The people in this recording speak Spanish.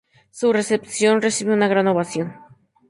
Su recepción recibió una gran ovación.